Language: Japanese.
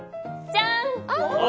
じゃん！